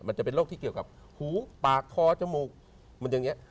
มันจะเป็นโรคที่เกี่ยวกับหูปากคอจมูกมันอย่างนี้